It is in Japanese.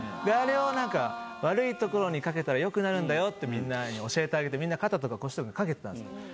あれをなんか「悪い所にかけたら良くなるんだよ」ってみんなに教えてあげてみんな肩とか腰とかにかけてたんですよ。